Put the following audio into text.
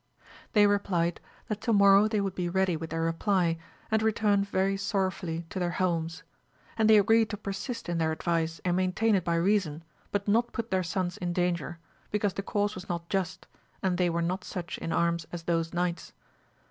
They replied, that to morrow they would be ready with their reply, and returned very sorrow fully to their homes. And they agreed to persist in their advice and maintain it by reason, but not put their sons in danger, because the cause was not just, and they were not such in arms as those knights.